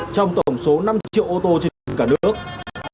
trong tổng số năm triệu ô tô trên cả nước